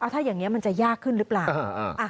ถ้าอย่างนี้มันจะยากขึ้นหรือเปล่า